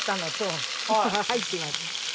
入ってます。